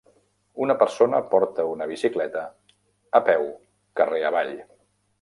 Una persona porta una bicicleta a peu carrer avall.